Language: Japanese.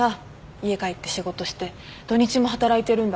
家帰って仕事して土日も働いてるんだもん。